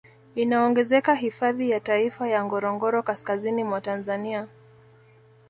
Inaongezeka hifadhi ya taifa ya Ngorongoro kaskazini mwa Tanzania